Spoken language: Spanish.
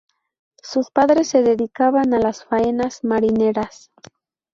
Sus padres se dedicaban a las faenas marineras.